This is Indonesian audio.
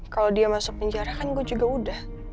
kalau dia masuk penjara kan gue juga udah